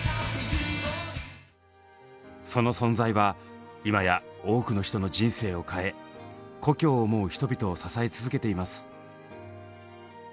その存在は今や多くの人の人生を変え故郷を思う人々を支え続けています。